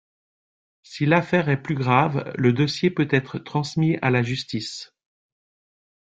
Si l'affaire est plus grave, le dossier peut être transmis à la justice.